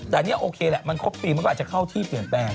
แต่นี่โอเคแหละมันครบปีมันก็อาจจะเข้าที่เปลี่ยนแปลง